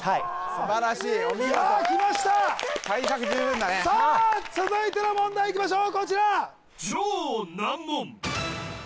すばらしいお見事いやきましたさあ続いての問題いきましょうこちら！